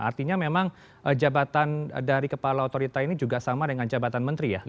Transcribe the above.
artinya memang jabatan dari kepala otorita ini juga sama dengan jabatan menteri ya